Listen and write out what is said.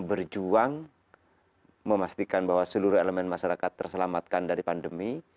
berjuang memastikan bahwa seluruh elemen masyarakat terselamatkan dari pandemi